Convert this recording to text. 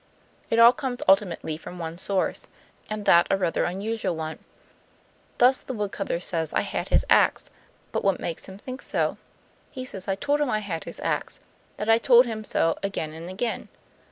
It all comes ultimately from one source, and that a rather unusual one. Thus, the woodcutter says I had his ax, but what makes him think so? He says I told him I had his ax; that I told him so again and again.